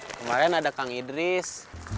kemarin ada kang idris